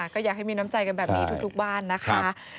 ก็อยากให้มีน้ำใจกันแบบนี้ทุกบ้านนะคะ